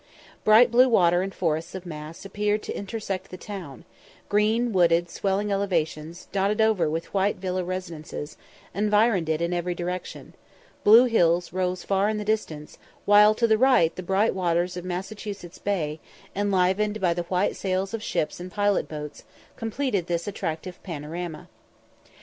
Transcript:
Bright blue water and forests of masts appeared to intersect the town; green, wooded, swelling elevations, dotted over with white villa residences, environed it in every direction; blue hills rose far in the distance; while to the right the bright waters of Massachusett's bay, enlivened by the white sails of ships and pilot boats, completed this attractive panorama.